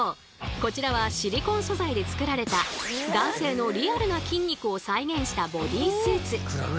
こちらはシリコン素材で作られた男性のリアルな筋肉を再現したボディースーツ。